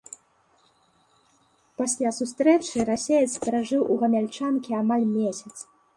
Пасля сустрэчы расеец пражыў у гамяльчанкі амаль месяц.